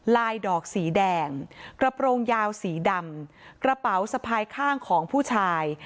ลายดอกสีแดงกระโปรงยาวสีดำกระเป๋าสะพายข้างของผู้ชาย